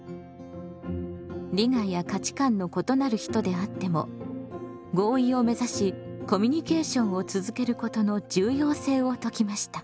利害や価値観の異なる人であっても合意を目指しコミュニケーションを続けることの重要性を説きました。